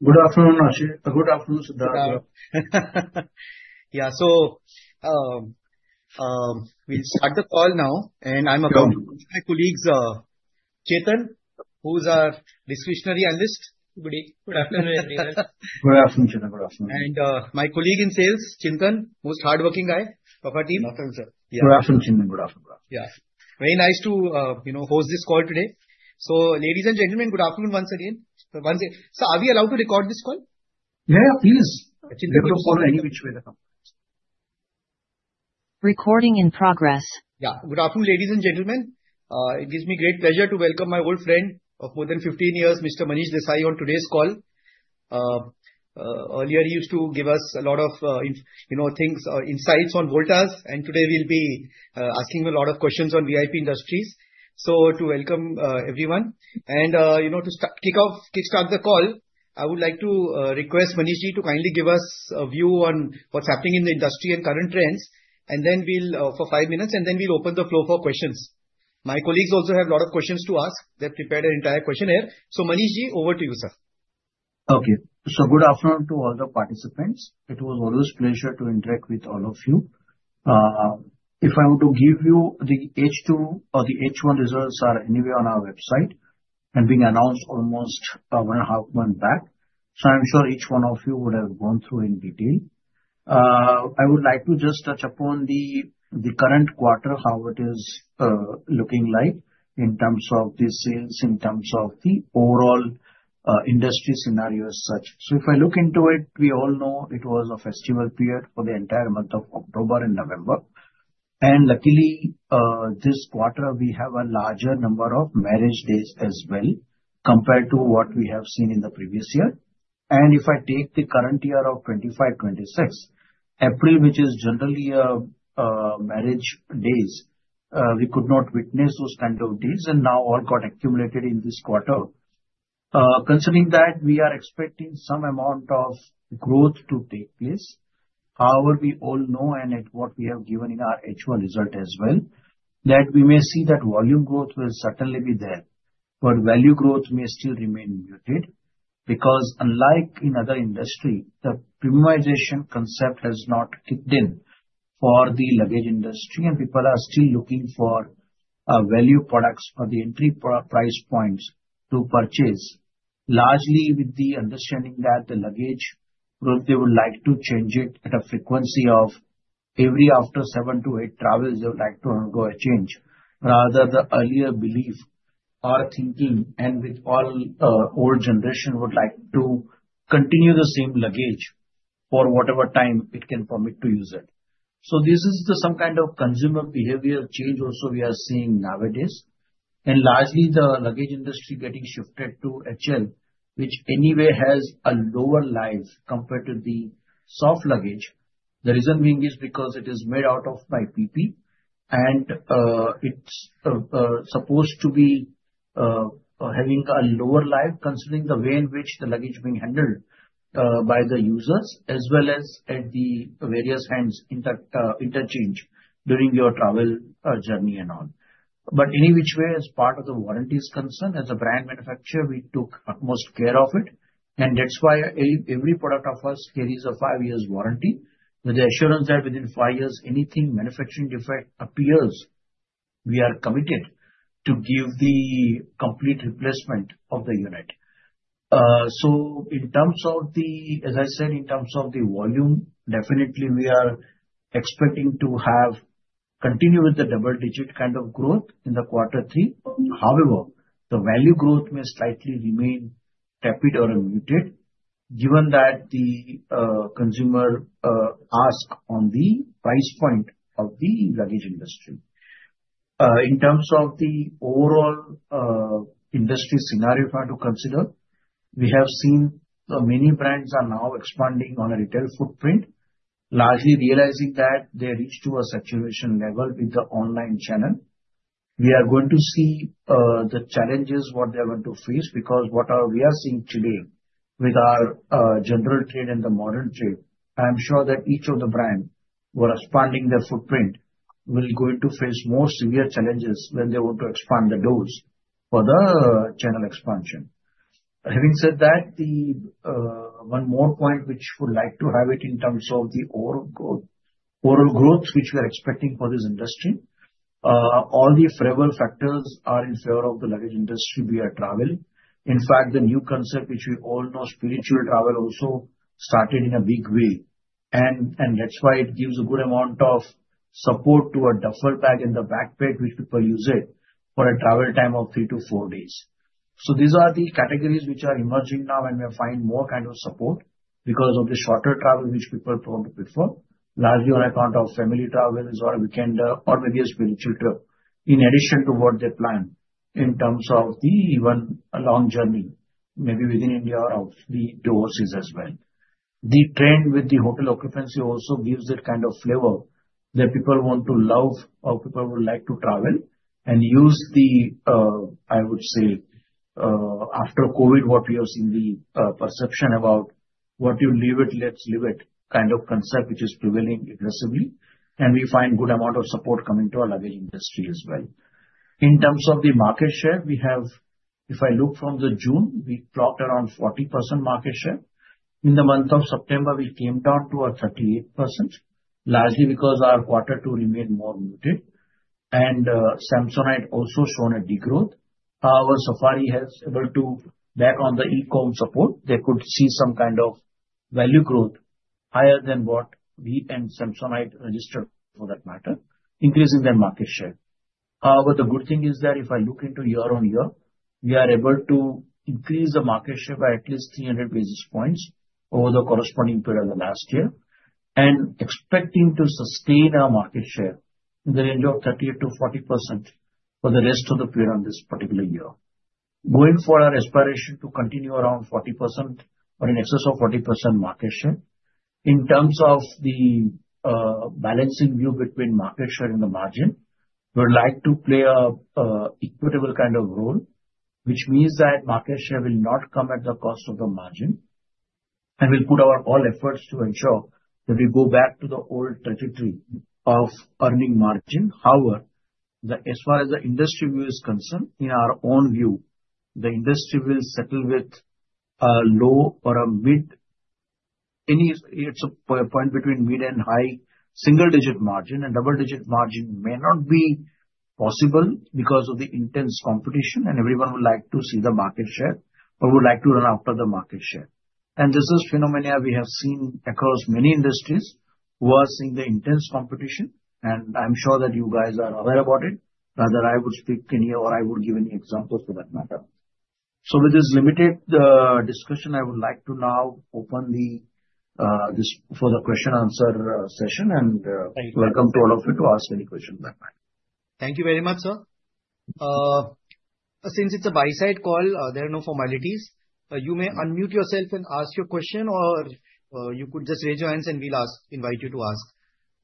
Good afternoon. Good afternoon. Yeah, so. We'll start the call now. And I'm about my colleagues, Chetan, who's our discretionary analyst. Good afternoon. Good afternoon. And my colleague in sales, Chintan, most hard working guy of our team. Good afternoon. Yeah, very nice to, you know, host this call today. So ladies and gentlemen, good afternoon once again. Sir, are we allowed to record this? hear me? Which way? The conference recording in progress? Yeah. Good afternoon ladies and gentlemen. It gives me great pleasure to welcome my old friend of more than 15 years, Mr. Manish Desai on today's call. Earlier he used to give us a lot of, you know, things, insights on Voltas and today we'll be asking a lot of questions on VIP Industries. So to welcome everyone and you know, to kickstart the call, I would like to request Manish ji to kindly give us a view on what's happening in the industry and current trends. And then we'll for five minutes and then we'll open the floor for questions. My colleagues also have a lot of questions to ask. They prepared an entire questionnaire. So Manish ji, over to you sir. Okay, so good afternoon to all the participants. It's always a pleasure to interact with all of you. If I were to give you the H1 or H2 results, they are available on our website and were announced almost one and a half months back. So I'm sure each one of you would have gone through them in detail. I would like to just touch upon the current quarter, how it is looking like in terms of the sales, in terms of the overall industry scenario as such. So if I look into it, we all know it was a festival period for the entire month of October and November. Luckily this quarter we have a larger number of marriage days as well compared to what we have seen in the previous year. If I take the current year of 25-26 April, which is generally a marriage days, we could not witness those kind of days and now all got accumulated in this quarter. So considering that we are expecting some amount of growth to take place. However, we all know and at what we have given in our H1 result as well that we may see that volume growth will certainly be there. But value growth may still remain muted because unlike in other industry, the premiumization concept has not kicked in for the luggage industry. And people are still looking for value products for the entry price points to purchase. Largely with the understanding that the luggage they would like to change it at a frequency of every after seven to eight travels they would like to undergo a change rather the earlier belief or thinking and with all old generation would like to continue the same luggage for whatever time it can permit to use it. So this is the some kind of consumer behavior change. Also we are seeing nowadays and largely the luggage industry getting shifted to HL which anyway has a lower life compared to the soft luggage. The reason being is because it is made out of PP and it's supposed to be having a lower life considering the way in which the luggage being handled by the users as well as at the various hands interchange during your travel journey and all but any which way as part of the warranty is concerned. As a brand manufacturer, we took utmost care of it, and that's why every product of us carries a five years warranty with the assurance that within five years anything manufacturing defect appears, we are committed to give the complete replacement of the unit. So, in terms of the, as I said, in terms of the volume, definitely we are expecting to have continue with the double digit kind of growth in the quarter three. However, the value growth may slightly remain tepid or muted given that the consumer ask on the price point of the luggage industry. In terms of the overall industry scenario to consider, we have seen many brands are now expanding on a retail footprint largely realizing that they reach to a saturation level with the online channel. We are going to see the challenges what they are going to face because what we are seeing today with our General Trade and the Modern Trade. I am sure that each of the brand who are expanding their footprint will going to face more severe challenges when they want to expand the doors for the channel expansion. Having said that, the one more point which would like to have it in terms of the overall growth which we are expecting for this industry, all the favorable factors are in favor of the luggage industry via travel. In fact, the new concept which we all know spiritual travel also started in a big way and that's why it gives a good amount of support to a duffel bag in the backpack which people use it for a travel time of three to four days. These are the categories which are emerging now and we find more kind of support because of the shorter travel which people prone to prefer largely on account of family travels or weekend or maybe a spiritual trip in addition to what they plan in terms of the one long journey maybe within India of those as well. The trend with the hotel occupancy also gives that kind of flavor that people want to live. How people would like to travel and use the, I would say after Covid what we have seen the perception about what you live it, let's live it kind of concept which is prevailing aggressively and we find good amount of support coming to our industry as well. In terms of the market share we have, if I look from the June we clocked around 40% market share. In the month of September, we came down to 38% largely because our quarter two remained more muted and Samsonite also shown a degrowth. However, Safari has been able to bank on the E-com support. They could see some kind of value growth higher than what we and Samsonite register. For that matter, increasing their market share. However, the good thing is that if I look into year on year, we are able to increase the market share by at least 300 basis points over the corresponding period of the last year and expecting to sustain our market share in the range of 38%-40% for the rest of the period on this particular year going forward. Our aspiration to continue around 40% or in excess of 40% market share. In terms of the balancing view between market share and the margin, we would like to play a equitable kind of role which means that market share will not come at the cost of the margin and we'll put our all efforts to ensure that we go back to the old trajectory of earning margin. However, as far as the industry view is concerned, in our own view the industry will settle with a low or a mid-single; it's a point between mid- and high-single-digit margin and double-digit margin may not be possible because of the intense competition and everyone would like to see the market share but would like to run after the market share and this is phenomenon we have seen across many industries who are seeing the intense competition and I'm sure that you guys are aware about it rather than I would speak here or I would give any examples for that matter. So with this limited discussion I would like to now open this for the question-answer session and welcome all of you to ask any question. Thank you very much sir. Since it's a buy side call, there are no formalities. You may unmute yourself and ask your question or you could just raise your hands and we'll ask invite you to ask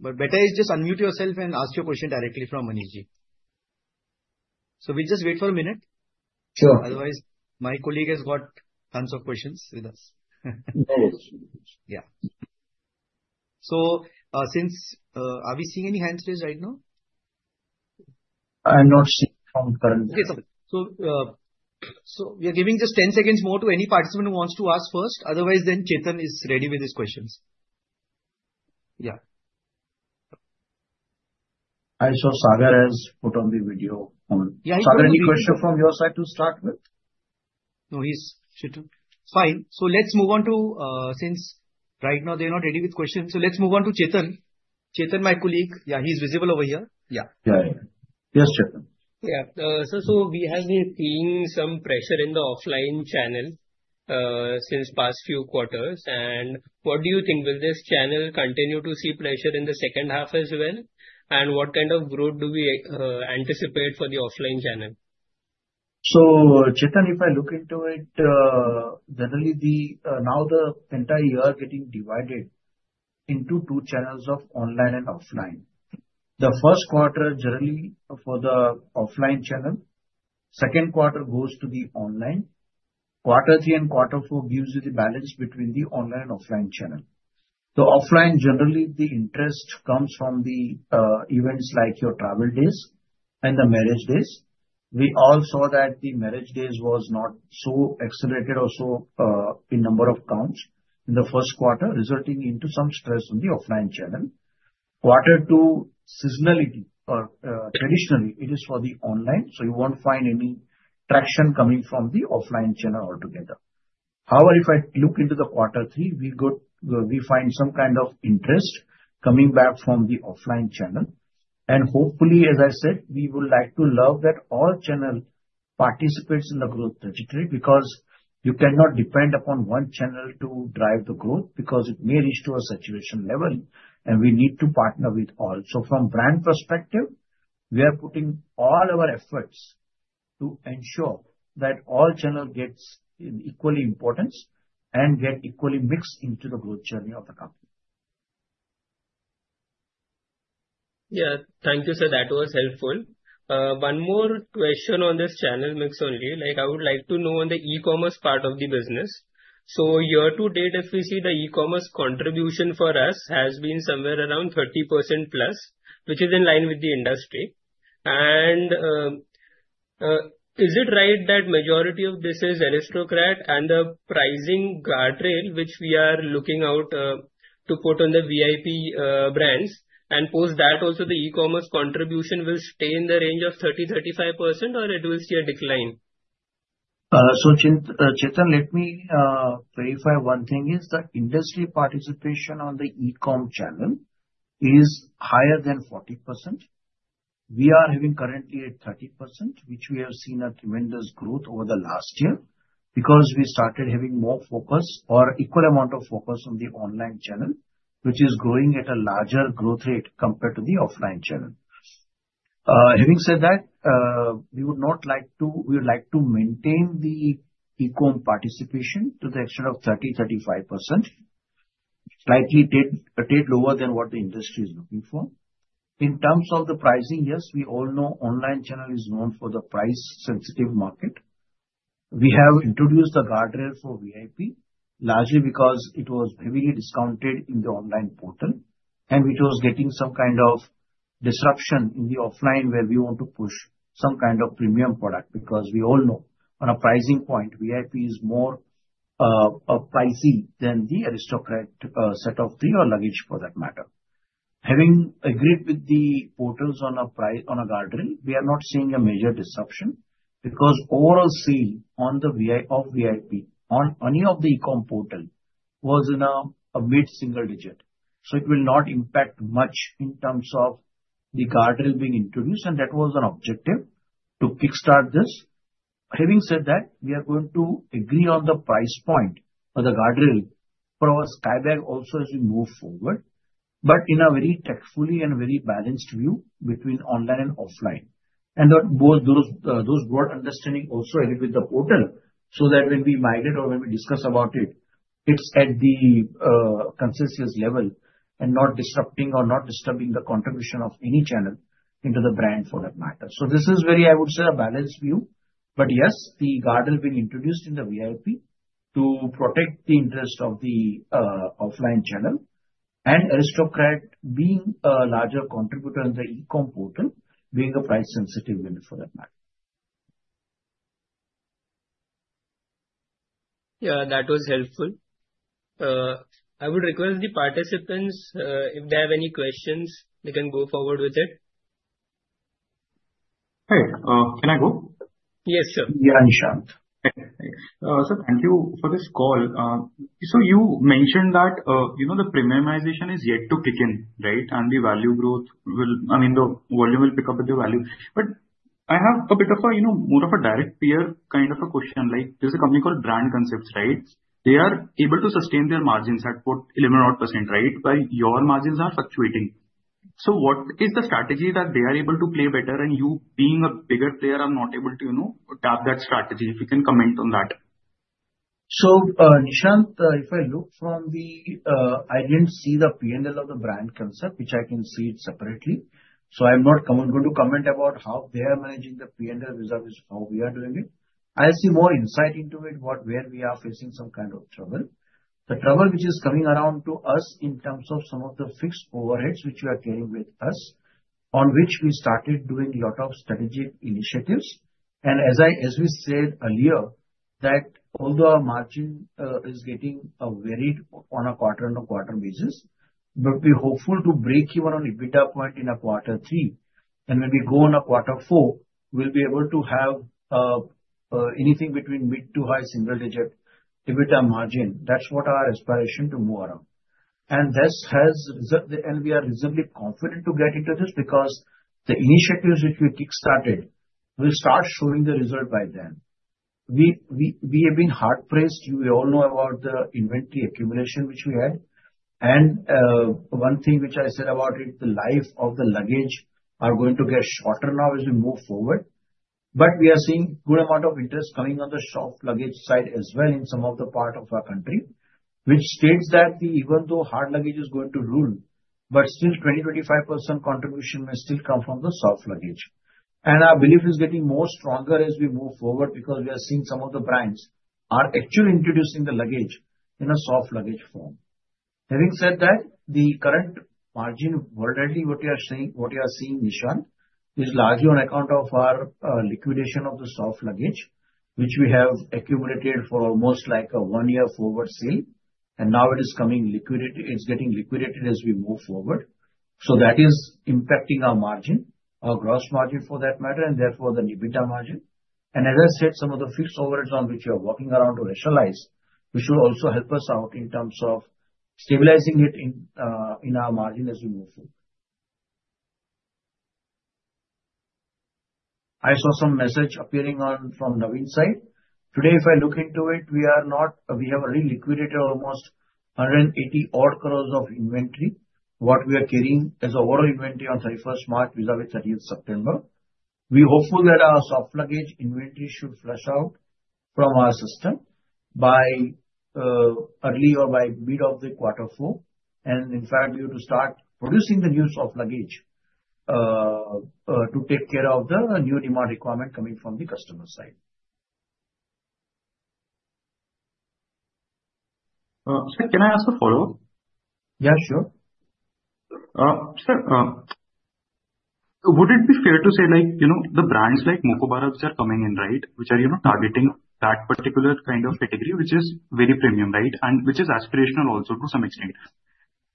but better is just unmute yourself and ask your question directly from Manish. So we just wait for a minute? Sure. Otherwise my colleague has got tons of questions with us. Yeah. So, are we seeing any hands raised right now? I'm not seeing from current, so. So we are giving just 10 seconds more to any participant who wants to ask first. Otherwise, then Chetan is ready with his questions. Yeah, I saw Sagar has put on the video. Yeah. Any question from your side to start with? No, he's fine. Since right now they're not ready with questions, so let's move on to Chetan. Chetan, my colleague. Yeah, he's visible over here. Yeah, yeah. Yes. Yeah. We have been seeing some pressure in the offline channel since past few quarters. And what do you think? Will this channel continue to see pressure in the second half as well? And what kind of growth do we anticipate for the offline channel? So, Chetan, if I look into it, generally now the entire year getting divided into two channels of online and offline. The first quarter generally for the offline channel, second quarter goes to the online. Quarter three and quarter four gives you the balance between the online and offline channel. The offline generally the interest comes from the events like your travel days and the marriage days. We all saw that the marriage days was not so accelerated. Also in number of counts in the first quarter resulting into some stress on the offline channel. Quarter two, seasonality or traditionally it is for the online. So you won't find any traction coming from the offline channel altogether. However, if I look into the quarter three, we find some kind of interest coming back from the offline channel, and hopefully, as I said, we would like to love that all channel participates in the growth trajectory because you cannot depend upon one channel to drive the growth because it may reach to a saturation level and we need to partner with all, so from brand perspective we are putting all our efforts to ensure that all channel gets equally important and get equally mixed into the growth journey of the company. Yeah, thank you sir, that was helpful. One more question on this channel mix only like I would like to know on the E-commerce part of the business. So year to date if we see the E-commerce contribution for us has been somewhere around 30% plus which is in line with the industry. And is it right that majority of this is Aristocrat and the pricing guardrail which we are looking out to put on the VIP brands and post that also the E-commerce contribution will stay in the range of 30-35% or it will see a decline. So Chetan, let me verify one thing. Is the industry participation on the E-com channel higher than 40%? We are having currently at 30% which we have seen a tremendous growth over the last year because we started having more focus or equal amount of focus on the online channel which is growing at a larger growth rate compared to the offline channel. Having said that, we would not like to. We would like to maintain the E-com participation to the extent of 30-35% slightly lower than what the industry is looking for in terms of the pricing. Yes, we all know online channel is known for the price-sensitive market. We have introduced the guardrail for VIP largely because it was heavily discounted in the online portal and it was getting some kind of disruption in the offline where we want to push some kind of premium product. Because we all know on a pricing point VIP is more pricey than the Aristocrat set of three or luggage for that matter. Having agreed with the portals on a price guardrail, we are not seeing a major disruption because overall sales of VIP on any of the E-com portals was in a mid single digit. So it will not impact much in terms of the guardrail being introduced. And that was an objective to kickstart this. Having said that, we are going to agree on the price point for the guardrail for our Skybags also as we move forward, but in a very tactfully and very balanced view between online and offline. And both those, those broad understanding also added with the portal so that when we migrate or when we discuss about it, it's at the consensus level and not disrupting or not disturbing the contribution of any channel into the brand for that matter. This is very, I would say, a balanced view. Yes, the guardrail has been introduced in the VIP to protect the interest of the offline channel. Aristocrat being a larger contributor in the E-com portal being a price sensitive unit for that matter. Yeah, that was helpful. I would request the participants, if they have any questions, they can go forward with it. Hey, can I go? Yes, sir. Thank you for this call. So you mentioned that, you know, the premiumization is yet to kick in, right? And the value growth will. I mean the volume will pick up at the value. But I have a bit of a. You know, more of a direct peer kind of a question. Like there's a company called Brand Concepts, right? They are able to sustain their margins at 11 odd %, right. While your margins are fluctuating. So what is the strategy that they are able to play better and you being a bigger player, are not able to, you know, tap that strategy, if you can comment on that. Nishant, if I look from the. I didn't see the P and L of the brand concept, which I can see it separately. So I'm not going to comment about how they are managing the P and L vis-à-vis which is how we are doing it. I see more insight into it what where we are facing some kind of trouble. The trouble which is coming around to us in terms of some of the fixed overheads which we are carrying with us on which we started doing a lot of strategic initiatives and as we said earlier that although our margin is getting varied on a quarter and a quarter basis but we're hopeful to break even on EBITDA point in a quarter three and when we go on a quarter four we'll be able to have anything between mid- to high-single-digit EBITDA margin. That's what our aspiration to move around, and this has resulted, and we are reasonably confident to get into this because the initiatives which we kick started will start showing the result by then. We have been hard pressed. You know, we all know about the inventory accumulation which we had, and one thing which I said about it: the life of the luggage is going to get shorter now as we move forward, but we are seeing a good amount of interest coming on the soft luggage side as well in some of the parts of our country, which suggests that even though hard luggage is going to rule, but still 20-25% contribution may still come from the soft luggage, and our belief is getting more stronger as we move forward because we are seeing some of the brands are actually introducing the luggage in a soft luggage form. Having said that, the current margin volatility what you are saying, what you are seeing, Nishant, is largely on account of our liquidation of the soft luggage which we have accumulated for almost like a one year forward sale and now it is coming liquidated, it's getting liquidated as we move forward so that is impacting our margin, our gross margin for that matter and therefore the EBITDA margin and as I said some of the fixed overhead on which we're working around to rationalize which will also help us out in terms of stabilizing it in our margin as we move forward. I saw some message appearing on from Naveen side today. If I look into it, we have already liquidated almost 180 crores of inventory what we are carrying as an overall inventory on 31st March vis-à-vis 30th September. We are hopeful that our soft luggage inventory should flush out from our system by early or by mid of the quarter four, and in fact you have to start producing the soft luggage to take care of the new demand requirement coming from the customer side. Sir, can I ask a follow-up? Yeah, sure sir, would it be fair? To say like, you know, the brands like Mokobara which are coming in, right. Which are, you know, targeting that particular kind of category which is very premium, right. And which is aspirational also to some. Extent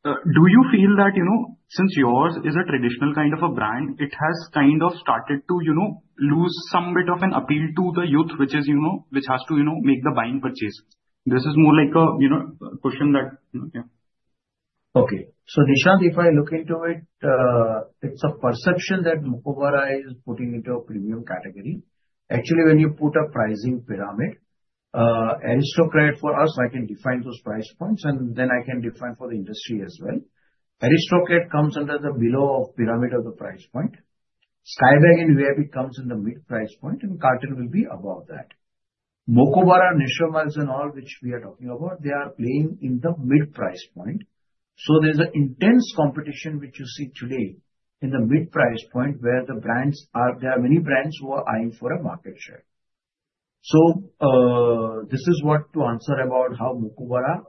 do you feel that, you know? Since yours is a traditional kind of a brand, it has kind of started. To you know lose some bit of. An appeal to the youth which is, you know, which has to, you know Make the buying purchase. This is more like a, you know, question that. Okay, so Nishant, if I look into it, it's a perception that Mokobara is putting into a premium category. Actually, when you put a pricing pyramid Aristocrat for us, I can define those price points and then I can define for the industry as well. Aristocrat comes under the below of pyramid of the price point. Skybags and VIP comes in the mid price point and Carlton will be above that. Mokobara, Nasher Miles and all which we are talking about, they are playing in the mid price point. So there's an intense competition which you see today in the mid price point where the brands are. There are many brands who are eyeing for a market share. This is what to answer about how Mokobara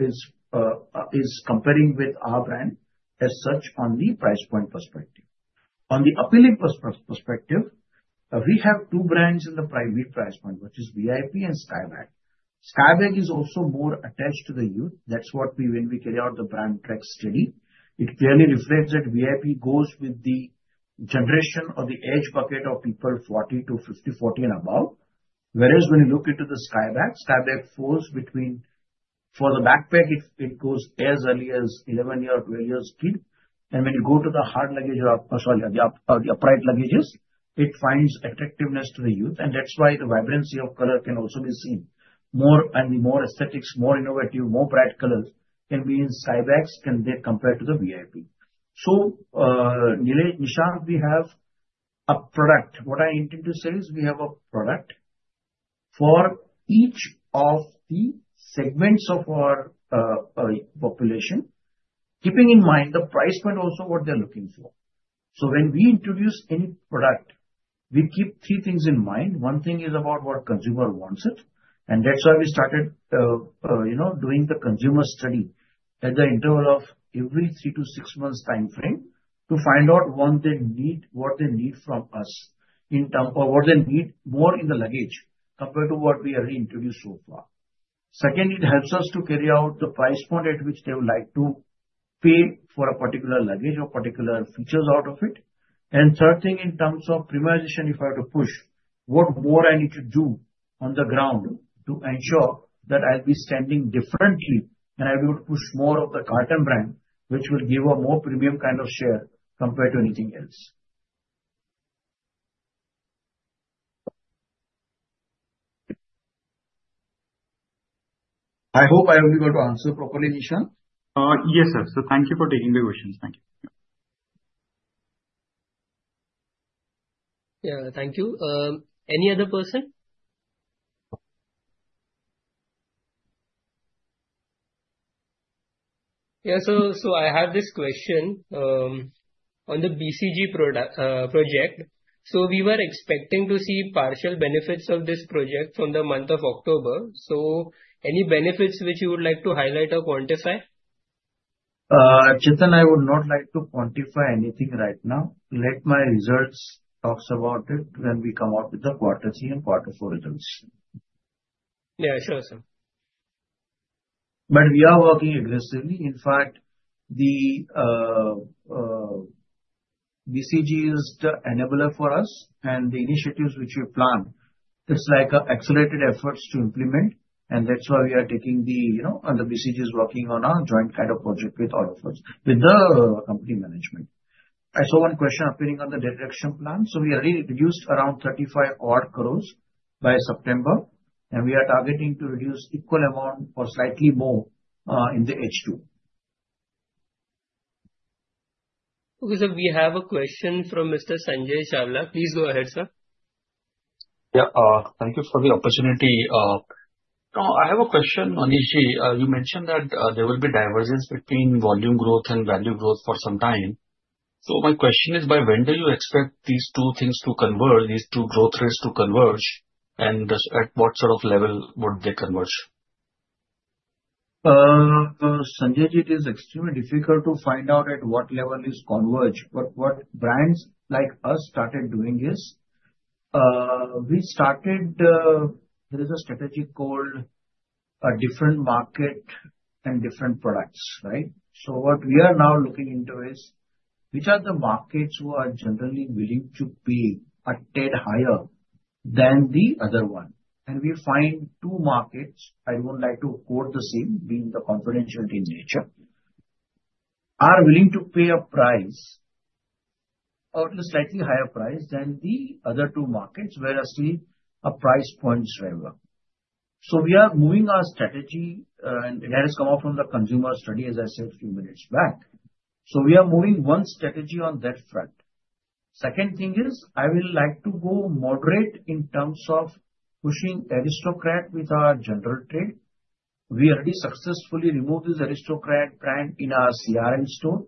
is comparing with our brand as such, on the price point perspective, on the appealing perspective. We have two brands in the primary price point, which is VIP and Skybags. Skybags is also more attached to the youth. That's what we, when we carry out the brand track study, it clearly reflects that VIP goes with the generation or the age bucket of people 40 to 50, 40 and above. Whereas when you look into the Skybags standard, it falls between. For the backpack, it goes as early as 11-year, 12-year kid. And when you go to the hard luggage, the upright luggage, it finds attractiveness to the youth. And that's why the vibrancy of color can also be seen more. And the more aesthetics, more innovative, more bright colors can be in Skybags. Can they compare to the VIP? So, Nishant, we have a product. What I intend to say is we have a product for each of the segments of our population. Keeping in mind the price point also what they're looking for. So when we introduce any product, we keep three things in mind. One thing is about what consumer wants it. And that's why we started, you know, doing the consumer study at the interval of every three to six months time frame to find out. One, they need what they need from us in terms of what they need more in the luggage compared to what we already introduced so far. Second, it helps us to carry out the price point at which they would like to pay for a particular luggage or particular features out of it. Third thing, in terms of premiumization, if I have to push what more I need to do on the ground to ensure that I'll be standing differently and I'll be able to push more of the Carlton brand which will give a more premium kind of share compared to anything else. I hope I will be able to answer properly. Nishant. Yes, sir. So, thank you for taking my questions. Thank you. Yeah, thank you. Any other person? Yeah. So I have this question on the BCG project. So we were expecting to see partial benefits of this project from the month of October. So any benefits which you would like to highlight or quantify? Chintan, I would not like to quantify anything right now. Let my results talk about it when we come out with the quarter three and quarter four results. Yeah, sure, sir. But we are working aggressively. In fact, the BCG is the enabler for us and the initiatives which we plan. It's like accelerated efforts to implement. And that's why we are taking the. You know, the BCG is working on a joint kind of project with all of us with the company management. I saw one question appearing on the debt reduction plan. So we already reduced around 35 odd crores by September. And we are targeting to reduce equal amount or slightly more in the H2. Okay. Sir, we have a question from Mr. Sanjay Chawla. Please go ahead, sir. Yeah, thank you for the opportunity. I have a question, Manish. You mentioned that there will be divergence between volume growth and value growth for some time. So my question is by when do you expect these two things to converge, these two growth rates to converge, and at what sort of level would they converge? Sanjay, it is extremely difficult to find out at what level they converge. But what brands like us started doing is. We started. There is a strategy called differentiated markets and different products, right. So what we are now looking into is which are the markets who are generally willing to pay a tad higher than the other one. And we find two markets. I don't like to quote the names being the confidential nature, are willing to pay a price, slightly higher price than the other two markets. Whereas the price points drive up. So we are moving our strategy and it has come up from the consumer study as I said few minutes back. So we are moving one strategy on that front. Second thing is I will like to go moderate in terms of pushing Aristocrat with our general trade. We already successfully removed this Aristocrat brand in our own store.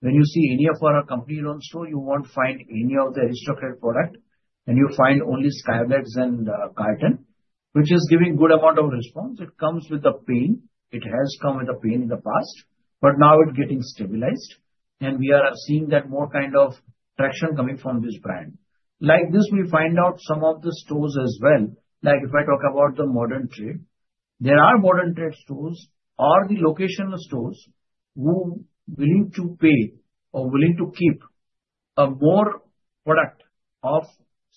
When you see any of our company run store you won't find any of the Aristocrat product and you find only Skybags and Carlton which is giving good amount of response. It comes with the pain. It has come with a pain in the past but now it getting stabilized and we are seeing that more kind of traction coming from this brand like this. We find out some of the stores as well. Like if I talk about the modern trade, there are modern trade stores or the location stores who willing to pay or willing to keep a more product of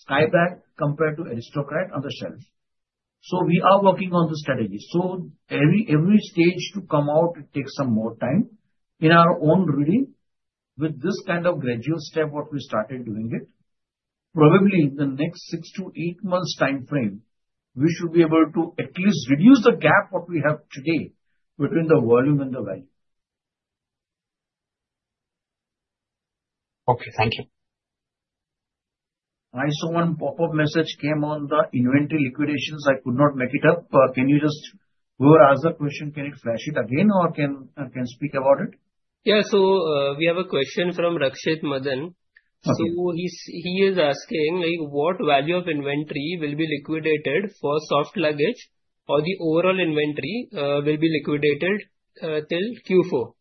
Skybags brand compared to Aristocrat on the shelf. So we are working on the strategy. So every stage to come out. It takes some more time. In our own reading with this kind of gradual step what we started doing it probably the next six to eight months time frame we should be able to at least reduce the gap what we have today between the volume and the value. Okay, thank you I saw one pop-up message came on the inventory liquidations. I could not make it up. Can you just. Whoever asks the question can you flash it again or can speak about it. Yeah. So we have a question from Rakshit Madan. He is asking like what value of inventory will be liquidated for soft luggage or the overall inventory will be liquidated till Q4.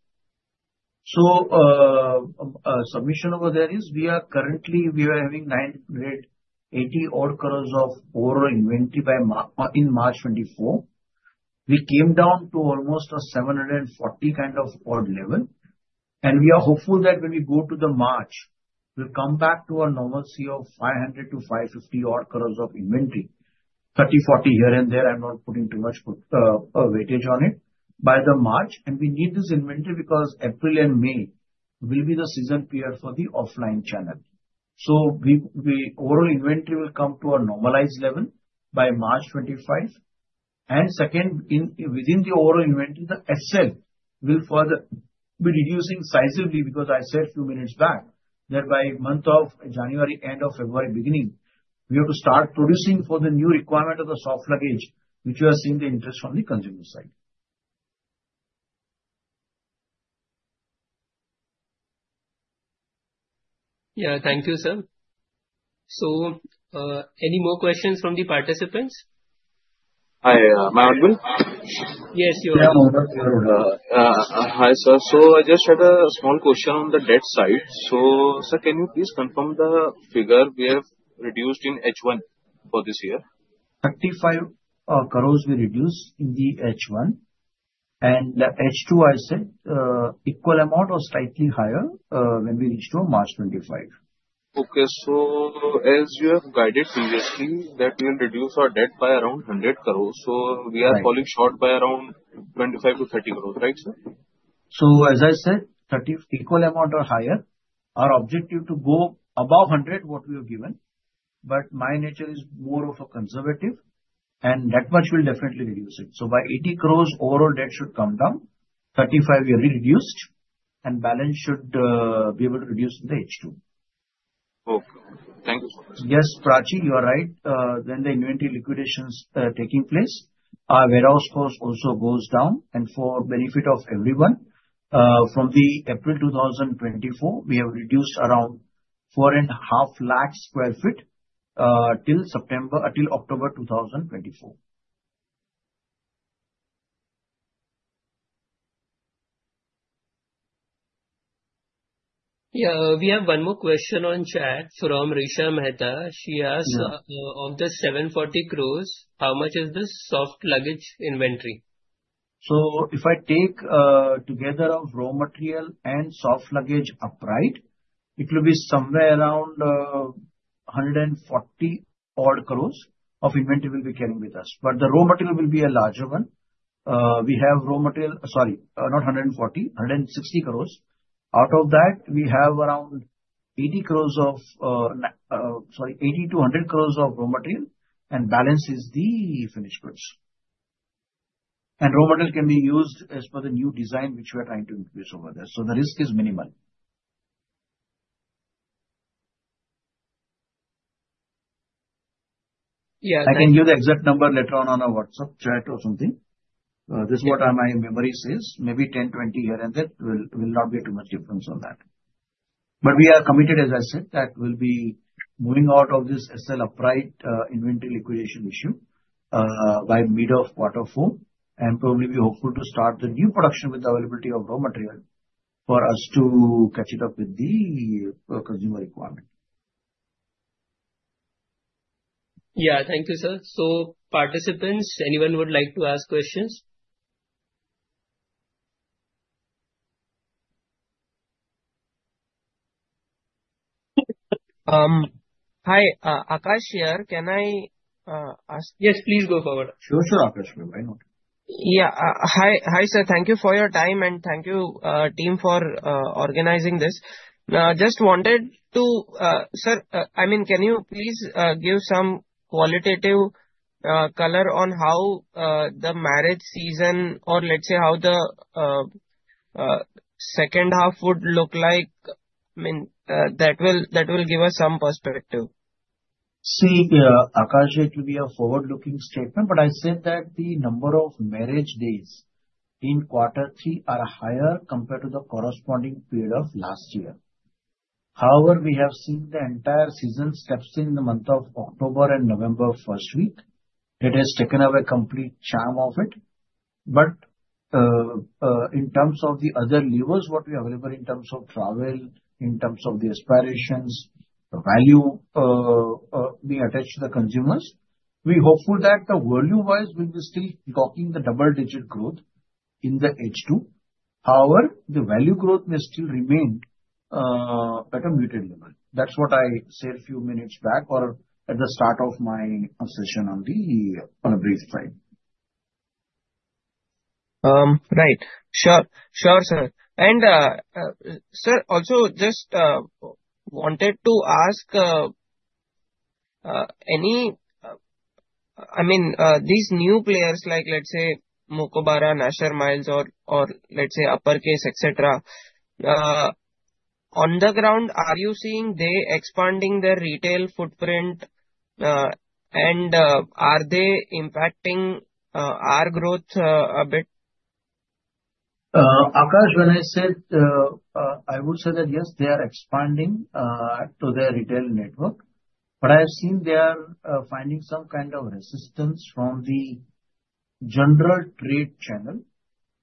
the situation over there is. We are currently having 980-odd crores of inventory. By end March 2024 we came down to almost a 740-odd kind of level. We are hopeful that when we go to the March we'll come back to a normalcy of 500 to 550-odd crores of inventory, 30-40 here and there. I'm not putting too much weightage on it by the March. We need this inventory because April and May will be the season period for the offline channel. The overall inventory will come to a normalized level by March 2025 and secondly within the overall inventory. The SL will further be reducing sizably. Because I said few minutes back that by month of January, end of February beginning we have to start producing for the new requirement of the soft luggage which you are seeing the interest from the consumer side. Yeah. Thank you, sir. So any more questions from the participants? Hi. I'm audible. Yes, hi sir. So I just had a small question on the debt side. So sir, can you please confirm the figure we have reduced in H1 for this year? 35 crores we reduced in the H1 and H2 I said equal amount or slightly higher when we reach to March 2025. Okay. So as you have guided previously that we will reduce our debt by around 100 crores. So we are falling short by around 25-30 crores. Right sir. So as I said 30 equal amount or higher. Our objective to go above 100 what we have given. But my nature is more of a conservative. And that much will definitely reduce it. So by 80 crores overall debt should come down. 35 crores will be reduced and balance should be able to reduce the H2. Thank you so much. Yes Prachi, you are right. When the inventory liquidations taking place, our warehouse cost also goes down. For benefit of everyone from the April 2024 we have reduced around 4.5 lakh sq ft till September until October 2024. Yeah. We have one more question on chat from Risha Mehta. She asks of the 740 crores how much is this soft luggage inventory? So if I take together of raw material and soft luggage upright, it will be somewhere around 140-odd crores of inventory we will be carrying with us. But the raw material will be a larger one. We have raw material. Sorry, not 140. 160 crores. Out of that we have around 80 crores of. Sorry. 80-100 crores of raw material. And balance is the finished goods and raw material can be used as per the new design which we are trying to introduce over there. The risk is minimal. Yes. I can give the exact number later on in a WhatsApp chat or something. This is whatever. My memory says maybe 10:20 here, and there will not be too much difference on that. But we are committed, as I said, that we'll be moving out of this SL upright inventory liquidation issue by mid of quarter four, and probably be hopeful to start the new production with the availability of raw material for us to catch it up with the consumer requirement. Yeah. Thank you, sir. So, participants, anyone would like to ask questions? Hi, Akash here. Can I ask? Yes, please go forward. Sure Akash, why not? Yeah. Hi. Hi sir. Thank you for your time. And thank you team for organizing this. Sir, I mean can you please give some qualitative color on how the marriage season or let's say how the. Second. Half would look like. I mean, that will give us some perspective. See, Akash, this will be a forward-looking statement. But I said that the number of marriage days in quarter three are higher compared to the corresponding period of last year. However, we have seen the entire season steps in the month of October and November first week. It has taken up a complete charm of it, but in terms of the other levers what we have available in terms of travel, in terms of the aspirational value we attach to the consumers, we hopeful that the volume-wise will be still taking the double-digit growth in the H2. However, the value growth may still remain at a muted level. That's what I said few minutes back or at the start of my session on a bright note, right? Sure, sure sir, and sir also just wanted to ask. Any. I mean these new players like let's say Mokobara, Nasher Miles, or let's say Uppercase etc. On the ground are you seeing they expanding their retail footprint and are they impacting our growth a bit? Akash, when I said I would say that yes they are expanding to their retail network. But I have seen they are finding some kind of resistance from the general trade channel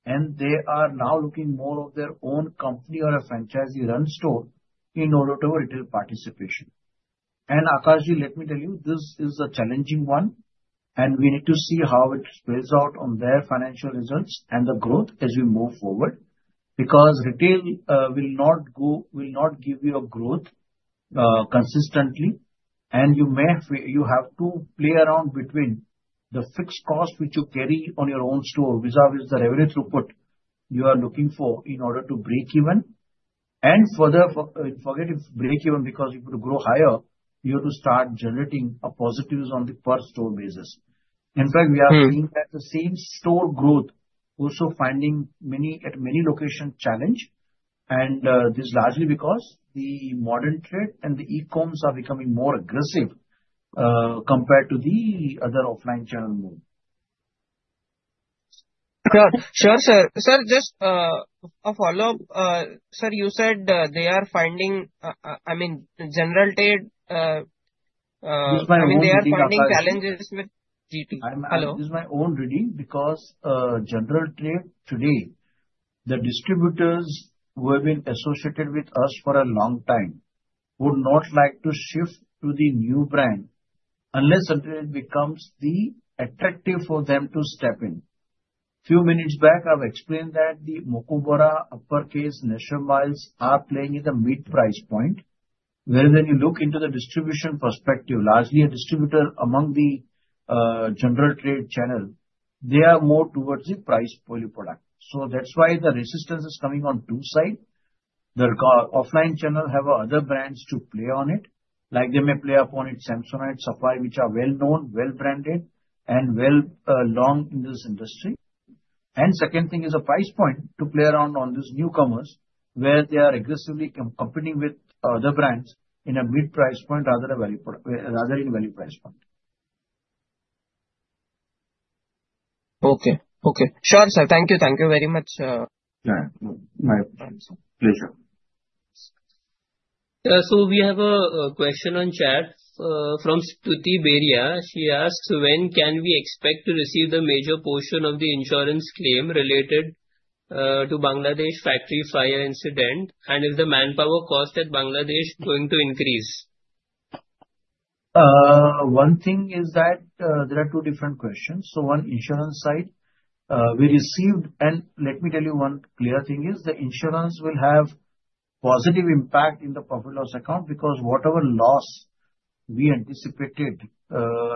and they are now looking more of their own company or a franchisee run store in order to retail participation. Akash, let me tell you this is a challenging one and we need to see how it plays out on their financial results and the growth as we move forward because retail will not give you a growth consistently and you have to play around between the fixed cost which you carry on your own store versus the revenue throughput you are looking for in order to break even and further forget if break even because you would grow higher. You have to start generating positives on the per-store basis. In fact, we are seeing that the same-store sales growth is also facing many challenges at many locations, and this is largely because the modern trade and the e-coms are becoming more aggressive compared to the other offline channels. Sure, sir. Sir, just a follow-up, sir. You said they are finding. I mean, general trade, they are finding challenges with. Hello, this is my own reading because general trade today the distributors who have been associated with us for a long time would not like to shift to the new brand unless until it becomes the attractive for them to step in. Few minutes back I've explained that the Mokobara, Uppercase, Nasher Miles are playing in the mid price point where then you look into the distribution perspective. Largely a distributor among the general trade channel they are more towards the price low product. So that's why the resistance is coming on two sides the offline channel have other brands to play on it like they may play upon it Samsonite Safari which are well known, well branded and well established in this industry. Second thing is a price point to play around on this newcomers where they are aggressively competing with other brands in a mid price point rather a value, rather in value price point. Okay. Okay. Sure, sir. Thank you. Thank you very much. Pleasure. So we have a question on chat from Stuti Beria. She asks when can we expect to receive the major portion of the insurance claim related to Bangladesh factory fire incident and if the manpower cost at Bangladesh going to increase. One thing is that there are two different questions, so on the insurance side we received and let me tell you one clear thing is the insurance will have positive impact in the profit and loss account because whatever loss we anticipated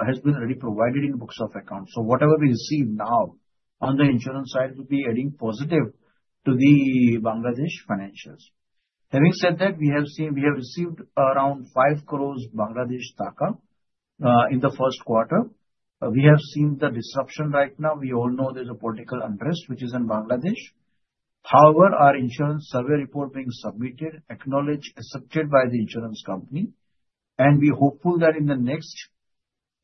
has been already provided in books of account, so whatever we receive now on the insurance side will be adding positive to the Bangladesh financials. Having said that, we have seen we have received around BDT 5 crores in the first quarter. We have seen the disruption right now. We all know there's a political unrest which is in Bangladesh. However, our insurance survey report being submitted, acknowledged, accepted by the insurance company and we hopeful that in the next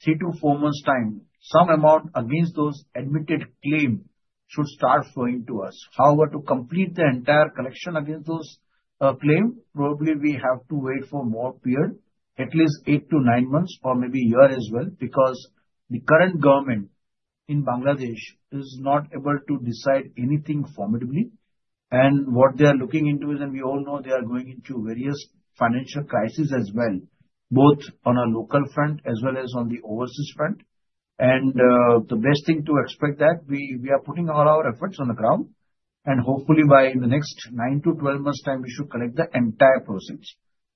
three-to-four months time some amount against those admitted claims should start flowing to us. However, to complete the entire collection against those claims probably we have to wait for more period at least eight to nine months or maybe year as well because the current government in Bangladesh is not able to decide anything formidably and what they are looking into, and we all know they are going into various financial crises as well both on a local front as well as on the overseas front. The best thing to expect that we are putting all our efforts on the ground and hopefully by in the next nine to 12 months time we should collect the entire process.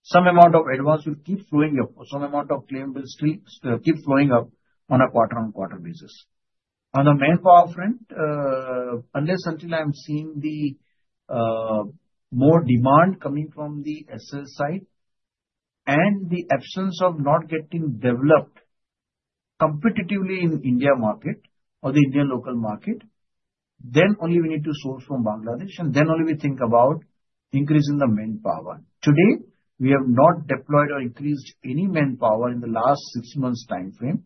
Some amount of advance will keep flowing up. Some amount of claim will still keep flowing up on a quarter on quarter basis on the manpower front. Unless until I'm seeing the more demand coming from the SL side and the absence of not getting developed competitively in Indian market or the Indian local market, then only we need to source from Bangladesh and then only we think about increase in the manpower. Today we have not deployed or increased any manpower in the last six months time frame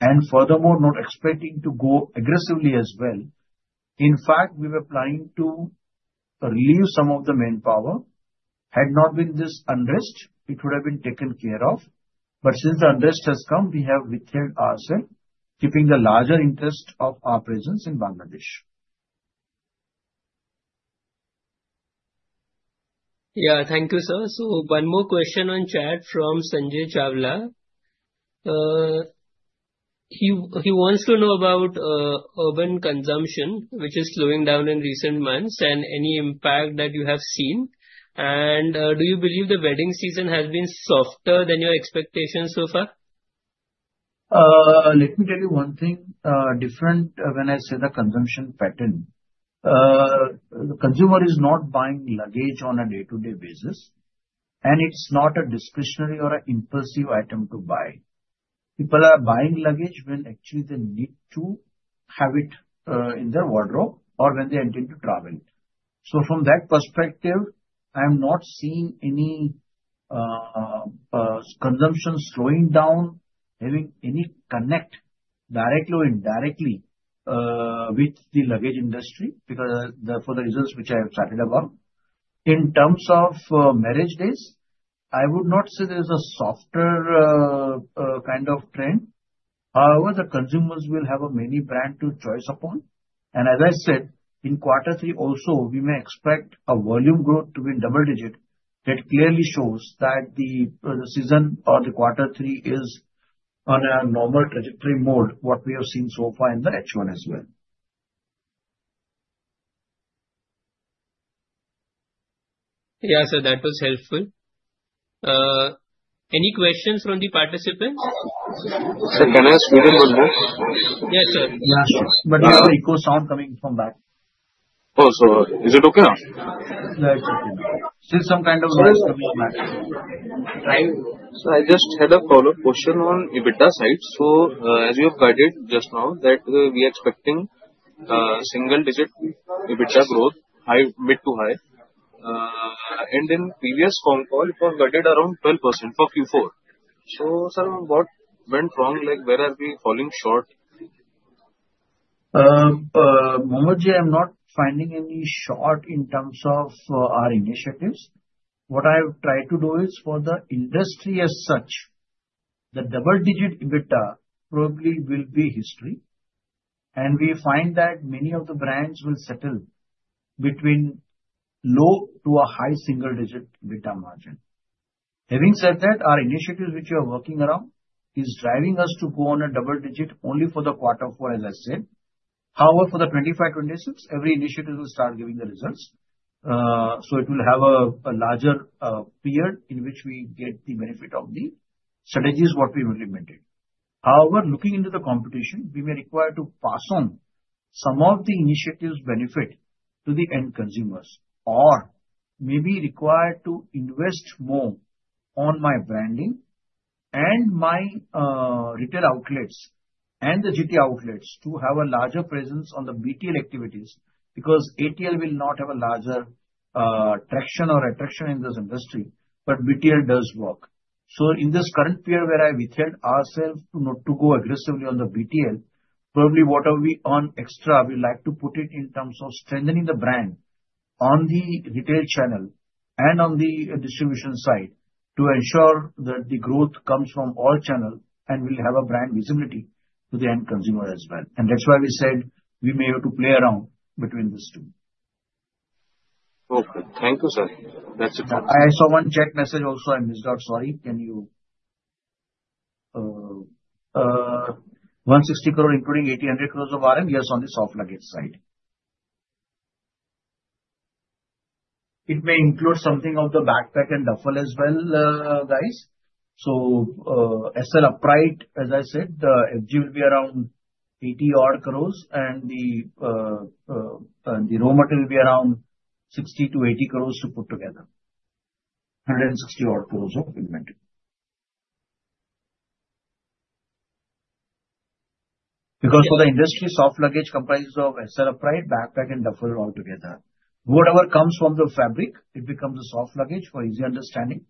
and furthermore not expecting to go aggressively as well. In fact we were applying to relieve some of the manpower. Had not been this unrest it would have been taken care of. But since the unrest has come we have withheld ourselves keeping the larger interest of our presence in Bangladesh. Yeah. Thank you, sir. So one more question on chat from Sanjay Chawla. He wants to know about urban consumption which is slowing down in recent months. And any impact that you have? And do you believe the wedding season has been softer than your expectations so far? Let me tell you one thing different. When I say the consumption pattern, the consumer is not buying luggage on a day-to-day basis and it's not a discretionary or an impulsive item to buy. People are buying luggage when actually they need to have it in their wardrobe or when they intend to travel. So from that perspective I am not seeing any consumption slowing down, having any connect directly or indirectly with the luggage industry because for the reasons which I have stated about in terms of marriage days, I would not say there's a softer kind of trend. However, the consumers will have many brands to choose upon and as I said in quarter three also we may expect a volume growth to be double-digit. It clearly shows that the season or the quarter three is on a normal trajectory mode. What we have seen so far in the H1 as well. Yeah sir, that was helpful. Any questions from the participants? Can I squeeze in one more? Yes sir. Yeah, but it's the echo sound coming from back. Oh, so is it? Okay, still some kind of noise coming back. So I just had a follow up question on EBITDA side. So as you guided just now that we expecting single digit EBITDA growth high mid to high and in previous phone call it was guided around 12% for Q4. So sir, what went wrong? Like where are we falling short? Manish? I'm not finding any short in terms of our initiatives. What I try to do is for the industry as such, the double digit EBITDA probably will be history and we find that many of the brands will settle between low to a high single digit EBITDA margin. Having said that, our initiatives which you are working around is driving us to go on a double digit only for the quarter four as I said. However for the 25, 26 every initiative will start giving the results. So it will have a larger period in which we get the benefit of the strategies what we've implemented. However, looking into the competition we may require to pass on some of the initiatives benefit to the end consumers or maybe required to invest more on my branding and my retail outlets and the GT outlets to have a larger presence on the BTL activities because ATL will not have a larger traction or attraction in this industry. But BTL does work. So in this current period where I withheld ourselves to go aggressively on the BTL, probably whatever we earn extra, we like to put it in terms of strengthening the brand on the retail channel and on the distribution side to ensure that the growth comes from all channel and will have a brand visibility to the end consumer as well. And that's why we said we may have to play around between this two. Okay. Thank you sir. That's a good. I saw one chat message also I missed out. Sorry. Can you. 160 crore including 1,800 crore of RM. Yes. On the soft luggage side It may include something of the backpack and duffel as well. Guys. So SL upright. As I said, the FG will be around 80-odd crores and the raw material will be around 60 crore to 80 crore to put together 160-odd crores of inventory. Because for the industry soft luggage comprises of SL, backpacks and duffel all together. Whatever comes from the fabric it becomes a soft luggage for easy understanding.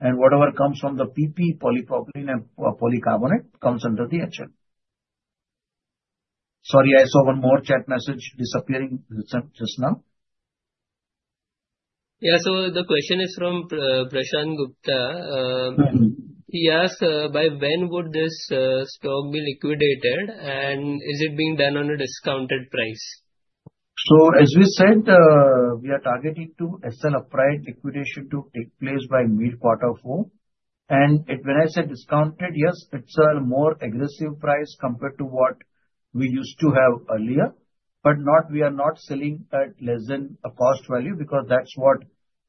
And whatever comes from the PP, polypropylene and polycarbonate comes under the HL. Sorry, I saw one more chat message disappearing just now. Yeah. So the question is from Prashant Gupta. He asks by when would this stock be liquidated, and is it being done on a discounted price? So as we said, we are targeting to as an upright liquidation to take place by mid quarter four. And when I say discounted, yes, it's a more aggressive price compared to what we used to have earlier. But not. We are not selling at less than a cost value because that's what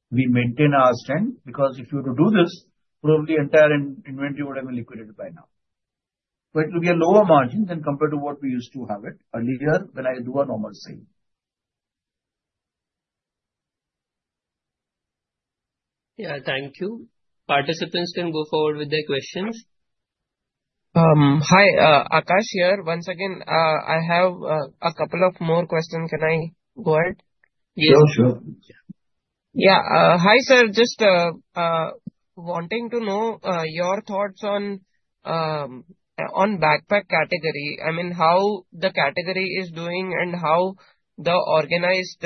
we maintain our strength. Because if you were to do this, probably entire inventory would have been liquidated by now. But it will be a lower margin than compared to what we used to have it earlier when I do a normal sale. Yeah. Thank you. Participants can go forward with their questions. Hi, Akash here once again I have a couple of more questions. Can I go ahead? Sure. Sure. Yeah. Hi sir. Just wanting to know your thoughts on the backpack category. I mean how the category is doing and how the organized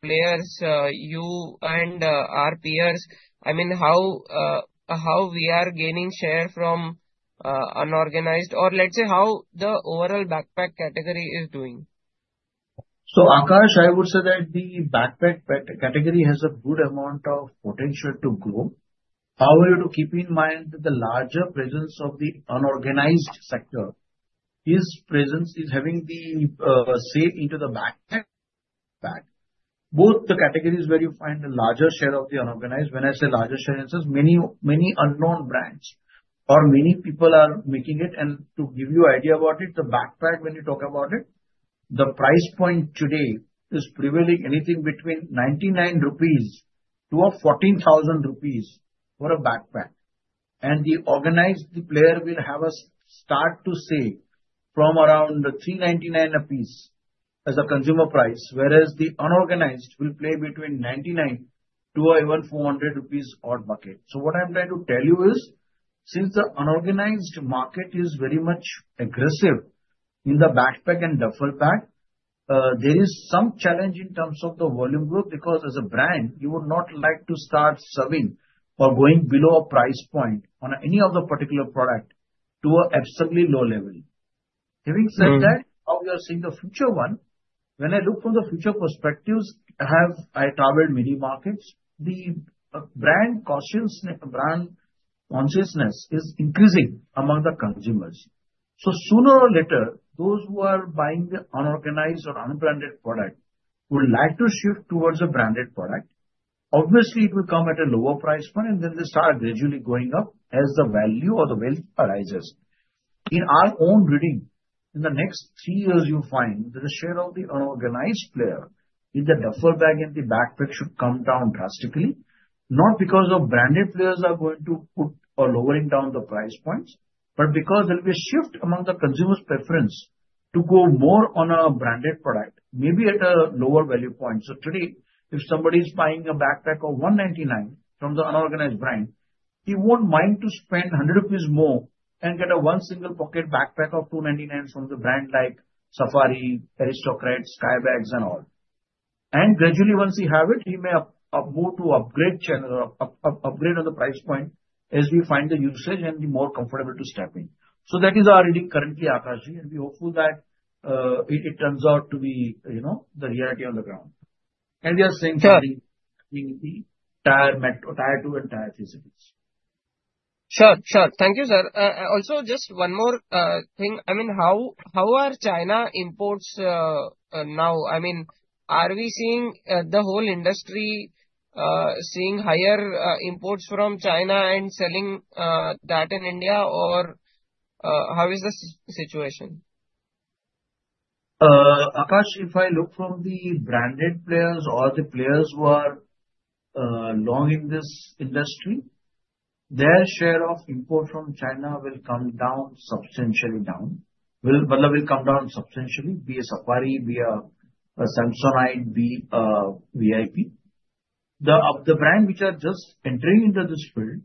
players you and our peers. I mean how we are gaining share from unorganized or let's say how the overall backpack category is doing. Akash, I would say that the backpack category has a good amount of potential to grow. However, keep in mind the larger presence of the unorganized sector. Its presence is having a say in the backpack, both the categories where you find a larger share of the unorganized. When I say larger share, in, say, many many unknown brands or many people are making it. And to give you an idea about it, the backpack when you talk about it, the price point today is prevailing. Anything between 99-14,000 rupees for a backpack. And the organized players will start from around 399 a piece as a consumer price. Whereas the unorganized will play between 99 to even 400 rupees. Odd bucket. What I am trying to tell you is since the unorganized market is very much aggressive in the backpack and duffel bag there is some challenge in terms of the volume growth. Because as a brand you would not like to start serving or going below a price point on any of the particular product to an absolutely low level. Having said that, how we are seeing the future? When I look from the future perspective, I have traveled many markets. The brand consciousness. Brand consciousness is increasing among the consumers. So sooner or later those who are buying the unorganized or unbranded product would like to shift towards a branded product. Obviously it will come at a lower price point and then they start gradually going up as the value or the wealth arises. In our own reading in the next three years you find the share of the unorganized player in the duffel bag in the backpack should come down drastically not because of branded players are going to put or lowering down the price points but because there'll be a shift among the consumers preference to go more on a branded product maybe at a lower value point. So today if somebody is buying a backpack of 199 from the unorganized brand he won't mind to spend 100 rupees more and get a one single pocket backpack of 299 from the brand like Safari, Aristocrat, Skybags and all. And gradually once he have it he may move to upgrade channel upgrade on the price point as we find the usage and be more comfortable to step in. So that is our reading currently, Akash, and we're hopeful that it turns out to be, you know, the reality on the ground. And we are seeing something in the entire Metro, Tier two, tier three cities. Sure, sure. Thank you sir. Also just one more thing. I mean how are China imports now? I mean are we seeing the whole industry seeing higher imports from China and selling that in India or how is this situation? Akash, if I look from the branded players or the players who are long in this industry, their share of imports from China will come down substantially. It will come down substantially. Be it Safari, be it Samsonite, be it VIP, those of the brands which are just entering into this field.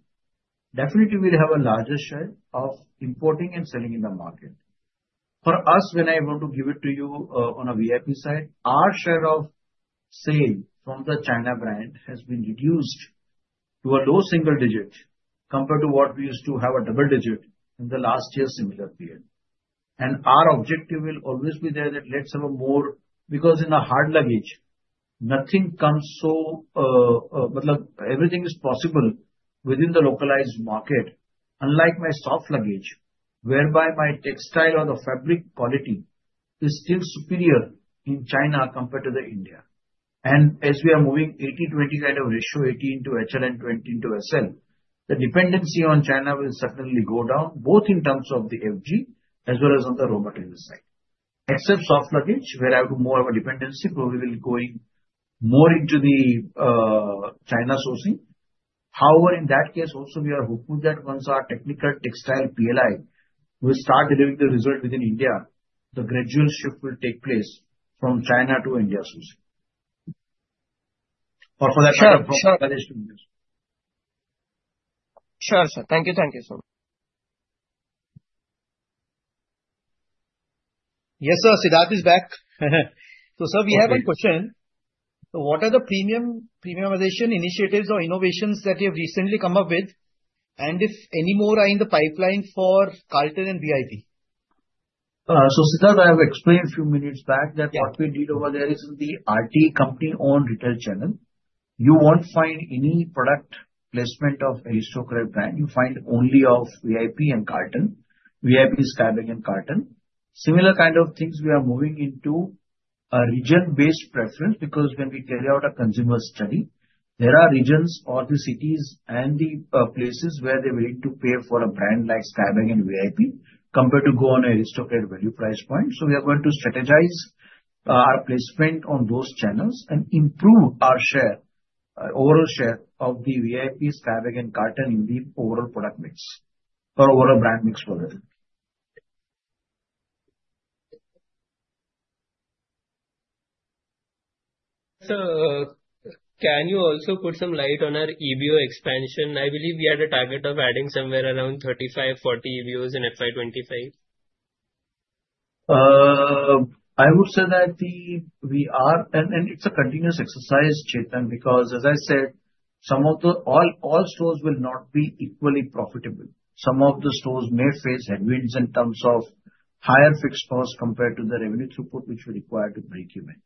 Definitely, we'll have a larger share of importing and selling in the market for us. What I want to give to you on a VIP side, our share of sales from China has been reduced to a low single digit compared to what we used to have a double digit in the last year similar period, and our objective will always be there that let's have more because in hard luggage nothing comes so everything is possible within the localized market. Unlike my soft luggage whereby my textile or the fabric quality is still superior in China compared to India and as we are moving 80:20 kind of ratio 80 into HL and 20 into SL, the dependency on China will certainly go down both in terms of the FG as well as on the raw material side. Except soft luggage where I have more of a dependency probably going more into China sourcing. However in that case also we are hoping that once our Technical Textile PLI will start delivering the result within India, the gradual shift will take place from China to India. Sure sir, thank you. Thank you so much. Yes sir, Siddharth is back. So sir, we have a question. What are the premiumization initiatives or innovations that you have recently come up with and if any more are in the pipeline for Carlton and VIP? So Siddharth, I have explained few minutes back that what we did over there is in the RT company-owned retail channel you won't find any product placement of Aristocrat brand. You find only of VIP and Carlton, VIP, Skybags and Carlton similar kind of things. We are moving into a region based preference because when we carry out a consumer study there are regions or the cities and the places where they willing to pay for a brand like Skybags and VIP compared to go on a Aristocrat value price point. So we are going to strategize our placement on those channels and improve our share overall share of the VIP Skybags and Carlton in the overall product mix or overall brand mix. Can you also put some light on our EBO expansion? I believe we had a target of adding somewhere around 35-40 EBOs in FY25. I would say that we are and it's a continuous exercise, Chetan, because as I said some of the all stores will not be equally profitable. Some of the stores may face headwinds in terms of higher fixed costs compared to the revenue throughput which we require to break even.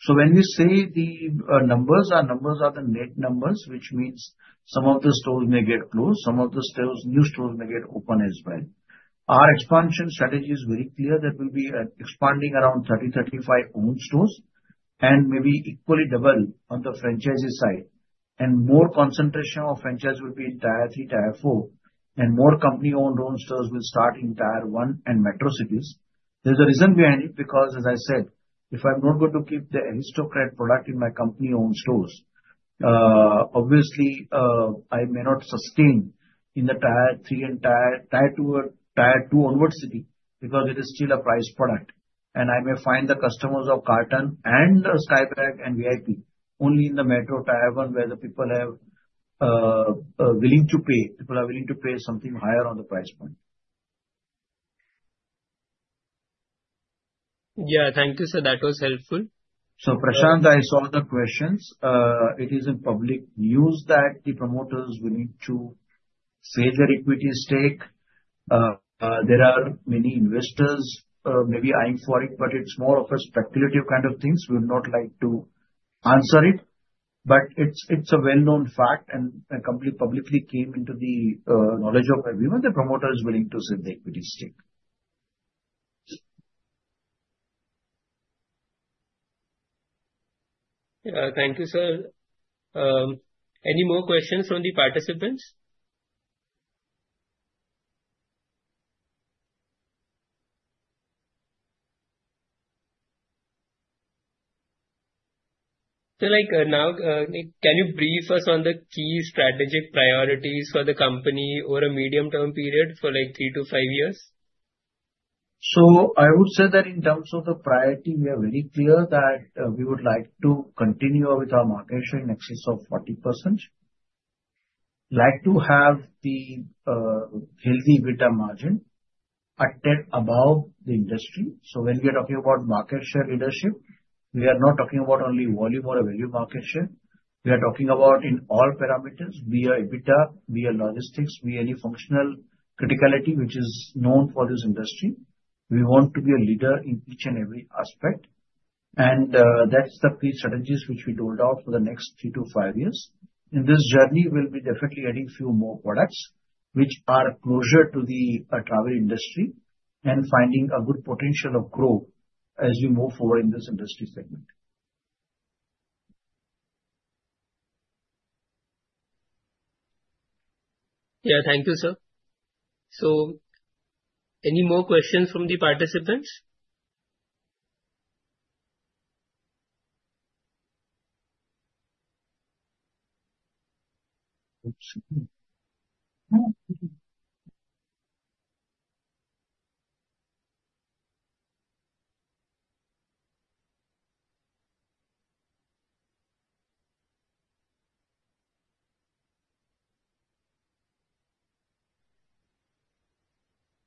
So when we say the numbers are the net numbers which means some of the stores may get closed, some of the stores new stores may get open as well. Our expansion strategy is very clear that we will be expanding around 30-35 owned stores and maybe equally double on the franchise side and more concentration of franchise will be in Tier two and Tier three and more company owned own stores will start in Tier one and metro cities. There's a reason behind it because as I said if I'm not going to keep the Aristocrat product in my company-owned stores obviously I may not sustain in the Tier three entire Tier one to Tier two onward cities because it is still a price product and I may find the customers of Carlton and Skybags and VIP only in the metro and Tier one where the people are willing to pay. People are willing to pay something higher on the price point. Yeah, thank you sir. That was helpful. So, Prashant, I saw the questions. It is in public news that the promoters will need to dilute equity stake. There are many investors maybe eyeing for it but it's more of a speculative kind of things. We would not like to answer it but it's a well-known fact and the company publicly came into the knowledge, in my view, and the promoter is willing to sell the equity stake. Thank you, sir. Any more questions from the participants? So, like now, can you brief us on the key strategic priorities for the company over a medium-term period for, like, three to five years? I would say that in terms of the priority we are very clear that we would like to continue with our market share in excess of 40% like to have the healthy EBITDA margin targeted above the industry. When we are talking about market share leadership we are not talking about only volume or a value market share. We are talking about in all parameters via EBITDA be it logistics in any functional criticality which is known for this industry. We want to be a leader in each and every aspect and that's the strategies which we rolled out for the next three to five years. In this journey we'll be definitely adding few more products which are closer to the travel industry and having a good potential of growth as we move forward in this industry segment. Yeah, thank you sir. So, any more questions from the participants?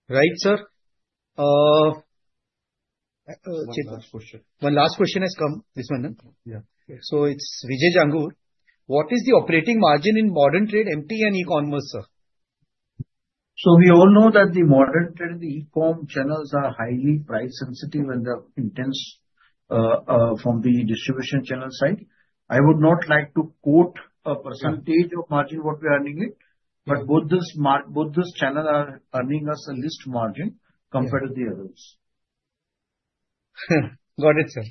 Right sir, one last question has come. This one? Yeah. So it's Vijay Jangir. What is the operating margin in modern trade? MT and E-commerce, sir. We all know that the modern e-com channels are highly price sensitive and the intensity from the distribution channel side. I would not like to quote a percentage of margin what we are earning it but both this channel are earning us a least margin compared to the others. Got it, sir.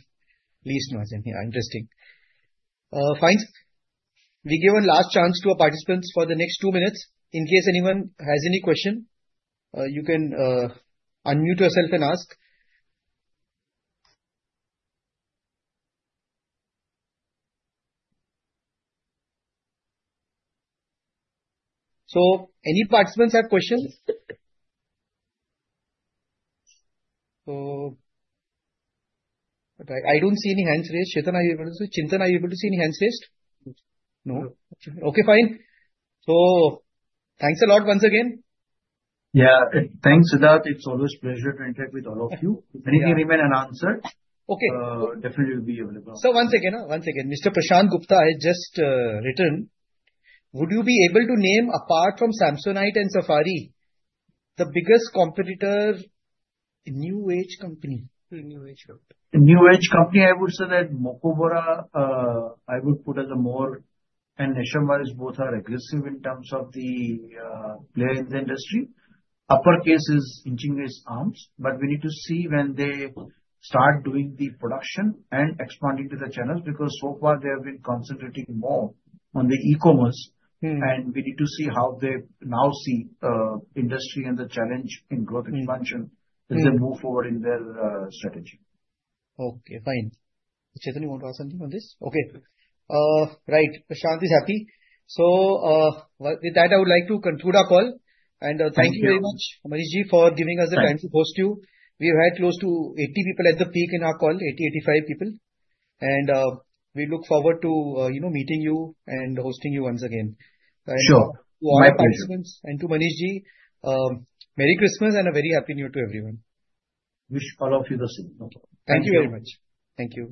Least margin. Interesting. Fine. We give one last chance to our participants for the next two minutes in case anyone has any question. You can unmute yourself and ask. So, any participants have questions? So. I don't see any hands raised. Chetan, are you able to see? Chintan, are you able to see any hands raised? No. Okay, fine. Thanks a lot once again. Yeah, thanks, Siddharth. It's always pleasure to interact with all of you. Anything remain unanswered? Okay, definitely. Once again, Mr. Prashant Gupta has just written. Would you be able to name, apart from Samsonite and Safari, the biggest competitor new age company? New age company. I would say that Mokobara I would put as a more and Nasher Miles. Both are aggressive in terms of the player in the industry. Uppercase is indigenous. But we need to see when they start doing the production and expanding to the channels because so far they have been concentrating more on the e-commerce and we need to see how they now see the industry and the challenge in growth expansion as they move forward in their strategy. Okay, fine. Chetan, you want to ask something on this? Okay. Right. Prashant is happy. So with that I would like to conclude our call. And thank you very much, Manish for giving us the time to host you. We've had close to 80 people at the peak in our call. 80, 85 people. And we look forward to, you know, meeting you and hosting you once again. Sure, my pleasure. To Manish ji, Merry Christmas and a very Happy New Year to everyone. Wish all of you the same. Thank you very much. Thank you.